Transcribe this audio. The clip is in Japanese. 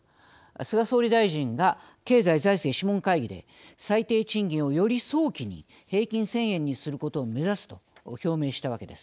菅総理大臣が経済財政諮問会議で「最低賃金を、より早期に平均１０００円にすることを目指す」と表明したわけです。